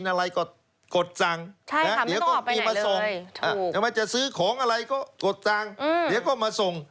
อะไรก็กดตั้งเดี๋ยวก็มาส่ง